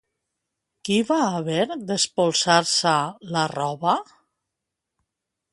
Qui va haver d'espolsar-se la roba?